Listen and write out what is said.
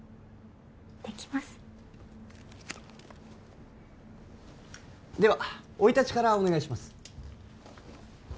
できますでは生い立ちからお願いします